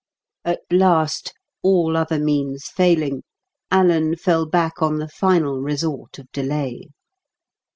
At last, all other means failing, Alan fell back on the final resort of delay.